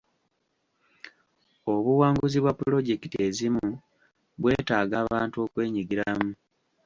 Obuwanguzi bwa pulojekiti ezimu bwetaaga abantu okwenyigiramu.